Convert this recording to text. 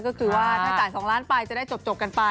ก็คือว่าถ้าจ่าย๒ล้านไปจะได้จบกันไป